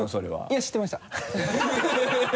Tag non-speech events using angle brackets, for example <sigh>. いや知ってました <laughs>